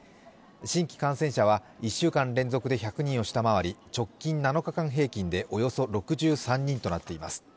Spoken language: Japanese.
新規感染者は１週間連続で１００人を下回り直近７日間平均でおよそ６３人となっています。